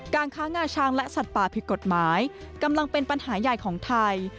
ค้างาช้างและสัตว์ป่าผิดกฎหมายกำลังเป็นปัญหาใหญ่ของไทย